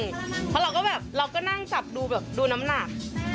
เพราะเราก็แบบเราก็นั่งจับดูแบบดูน้ำหนัก